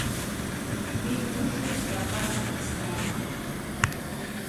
Іх душаць на панскай стайні.